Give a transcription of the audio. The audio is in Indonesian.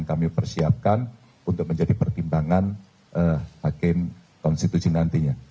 kami persiapkan untuk menjadi pertimbangan hakim konstitusi nantinya